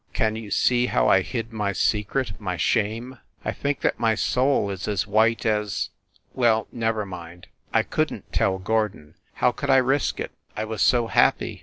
Can you see how I hid my secret my shame ? I think that my soul is as white as ... well, never mind. I couldn t tell Gordon ; how could I risk it ? I was so happy